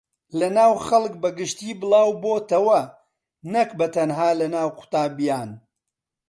لەناو خەڵک بەگشتی بڵاوبۆتەوە نەک بەتەنها لەناو قوتابییان